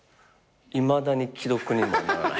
いまだに既読にもならない。